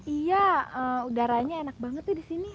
iya udaranya enak banget di sini